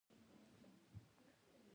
زه خو د ځان لپاره يوه هندۍ سره ساړي هم اخلم.